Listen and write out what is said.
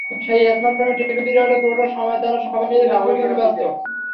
সেই স্মার্টফোনে টিফিন পিরিয়ডের পুরোটা সময় তারা সবাই মিলে ফেসবুকিংয়ে ব্যস্ত থাকে।